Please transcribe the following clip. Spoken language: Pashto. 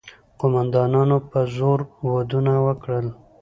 قوماندانانو په زور ودونه وکړل.